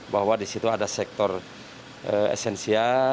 bahwa disitu ada sektor esensial